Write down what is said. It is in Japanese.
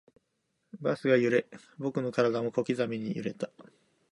バスが揺れ、僕の体も小刻みに揺れた